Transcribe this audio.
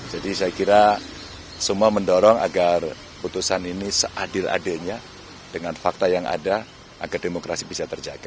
jadi saya kira semua mendorong agar putusan ini seadil adilnya dengan fakta yang ada agar demokrasi bisa terjaga